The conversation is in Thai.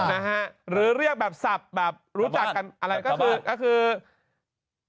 อ๋ออหรือเรียกแบบศัพท์แบบรู้จักกันอะไรก็คือพูดได้ไหม